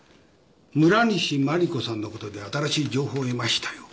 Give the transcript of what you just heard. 村西麻里子さんのことで新しい情報得ましたよ。